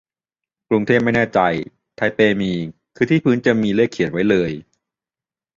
กรุงเทพไม่แน่ใจ ไทเปมี คือที่พื้นจะมีเลขเขียนไว้เลย